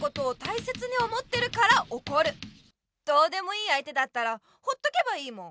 どうでもいいあいてだったらほっとけばいいもん。